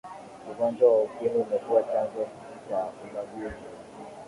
ugonjwa wa ukimwi umekuwa chanzo cha ubaguzi